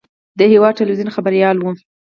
د هېواد تلویزیون خبریال و.